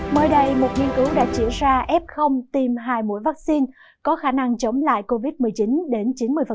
mới đây một nghiên cứu đã chỉ ra f tiêm hai mũi vaccine có khả năng chống lại covid một mươi chín đến chín mươi